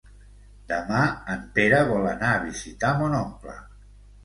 Demà en Pere vol anar a visitar mon oncle.